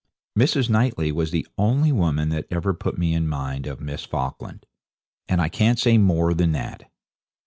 Mrs. Knightley was the only woman that ever put me in mind of Miss Falkland, and I can't say more than that.